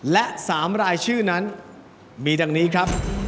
และ๓รายชื่อนั้นมีดังนี้ครับ